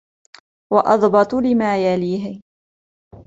وَأَضْبَطَ لِمَا يَلِيهِ